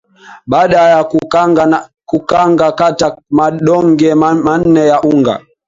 baada ya kukanga kata madonge manne ya unga